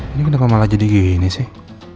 ini kenapa malah jadi gini sih